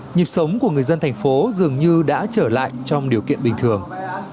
nhịp sống của người dân thành phố dường như đã trở lại trong điều kiện bình thường